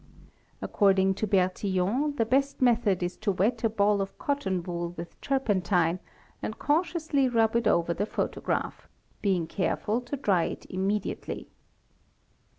According to Bertillon the best method is to wet a ball of ~ cotton wool with turpentine and cautiously rub it over the photograph, . p y photograp | being careful to dryat immediately.